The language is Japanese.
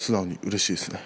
素直にうれしいですね。